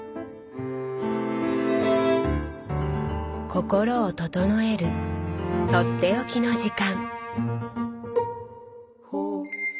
心を整える取って置きの時間。